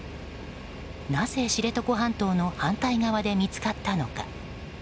なぜ知床半島の反対側で見つかったのか。